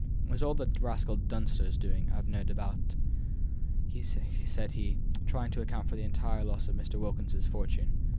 "It was all the rascal Dunster's doing, I've no doubt," said he, trying to account for the entire loss of Mr. Wilkins's fortune.